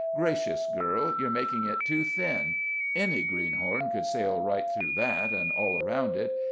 "Gracious, girl, you're making it too thin; any greenhorn could sail right through that and all around it.